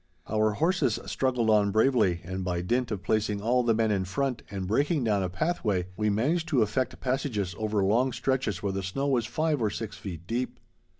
Our horses struggled on bravely, and by dint of placing all the men in front and breaking down a pathway, we managed to effect passages over long stretches where the snow was five or six feet deep.